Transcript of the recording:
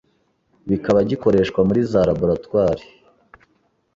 kikaba gikoreshwa muri za laboratoires